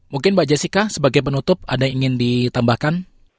mungkin mbak jessica sebagai penutup ada yang ingin ditambahkan